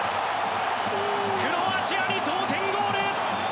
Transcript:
クロアチアに同点ゴール！